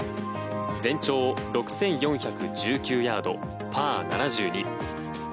全長６４１９ヤード、パー７２。